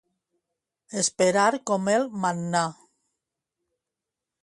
Esperar com el mannà.